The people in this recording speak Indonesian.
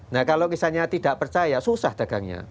nah kalau misalnya tidak percaya susah dagangnya